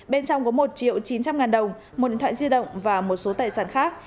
bên trong có một triệu chín trăm linh ngàn đồng một điện thoại di động và một số tài sản khác